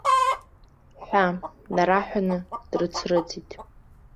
Ҳәа, нараҳәаны, дрыцрыҵит.